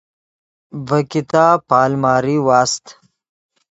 ڤے کتاب پے الماری واست